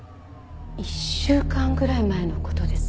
１週間ぐらい前の事です。